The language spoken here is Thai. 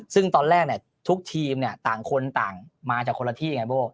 ซึ่งตอนแรกทุกทีมเนี่ยต่างคนต่างมาจากคนละที่ไงโบ้